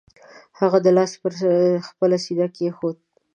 هغه لاس پر خپله سینه کېښود.